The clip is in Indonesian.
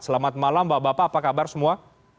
selamat malam bapak bapak apa kabar semua